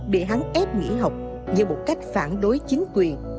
bị hắn ép nghỉ học như một cách phản đối chính quyền